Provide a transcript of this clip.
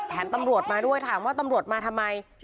ตำรวจมาด้วยถามว่าตำรวจมาทำไม